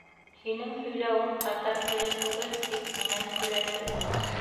«Һинең һөйләүең татар теле түгел»,- тип минән көләләр ине.